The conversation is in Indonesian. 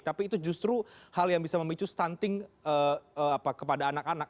tapi itu justru hal yang bisa memicu stunting kepada anak anak